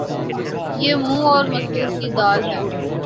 یہ منھ اور مسور کی دال